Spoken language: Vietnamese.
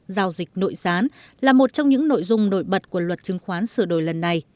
giao dịch nội gián là một trong những nội dung nội bật của luật chứng khoán sửa đổi lần này